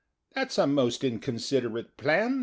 That's a most inconsiderate plan.